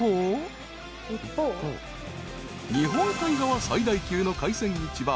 ［日本海側最大級の海鮮市場］